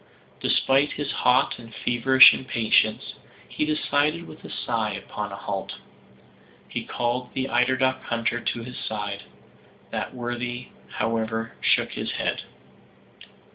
Despite his hot and feverish impatience, he decided, with a sigh, upon a halt. He called the eider duck hunter to his side. That worthy, however, shook his head.